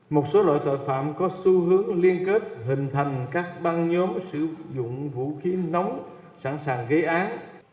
một số loại tội phạm có xu hướng liên kết hình thành các băng nhóm sử dụng vũ khí nóng sẵn sàng gây án